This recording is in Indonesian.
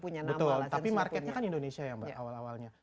tapi marketnya kan indonesia ya mbak awal awalnya